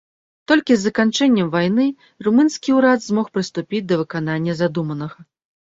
Толькі з заканчэннем вайны румынскі ўрад змог прыступіць да выканання задуманага.